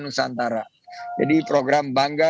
nusantara jadi program bangga